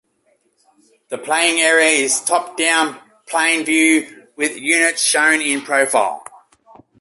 The playing area is top-down plan view, with units shown in profile.